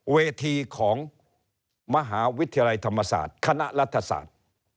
เวทีของมหาวิทยาลัยธรรมศาสตร์คณะรัฐศาสตร์